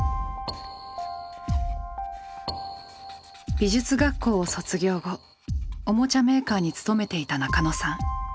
美術学校を卒業後おもちゃメーカーに勤めていた中野さん。